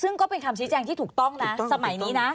ซึ่งก็เป็นคำชี้แจงที่ถูกต้องนะสมัยนี้นะ